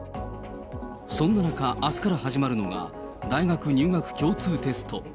そんな中、あすから始まるのが、大学入学共通テスト。